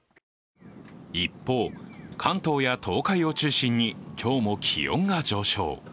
一方、関東や東海を中心に今日も気温が上昇。